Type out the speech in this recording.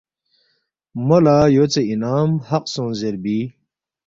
مو لہ یوژے اِنعام حق سونگ زیربی